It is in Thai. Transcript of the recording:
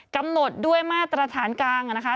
กำหนดด้วยมาตรฐานกลางนะคะ